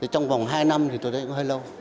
trong vòng hai năm thì tôi thấy cũng hơi lâu